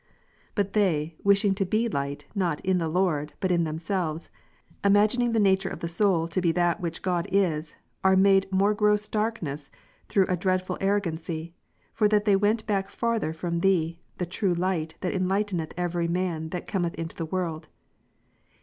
But Eph. 5, they, wishing to be light, not in the Lord, but in themselves, imagining the nature of the soul to be that which God is ^, are made more gross darkness through a dreadful arrogancy ; for that they went back farther from Thee, the true Light that joh. 1,9. enlighteneth every man that cometh into the ivorld.